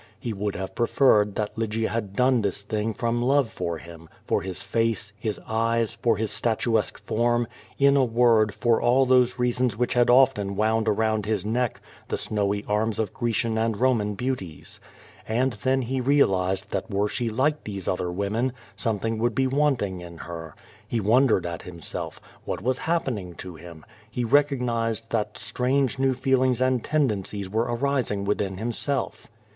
He would have preferred that Lygia had done this thing from h)ve for him, for his face, his eyes, for his statuesque form — iu a word^ for all those reasons which had 202 Q^O VADIS. often wound around his neck the snowy arms of Grecian and Konian beauties. And then he reahzed tliat were she like these otlier women, something would be wanting in her. He wondered at himself. What was happening to him? He recognized that strange, new feelings and tendencies were arising within himself.